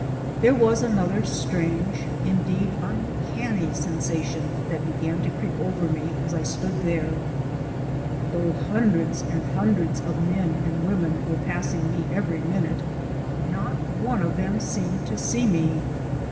There was another strange, indeed uncanny, sensation that began to creep over me as I stood there. Though hundreds upon hundreds of men and women were passing me every minute, not one of them seemed to see me.